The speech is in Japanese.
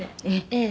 「ええ」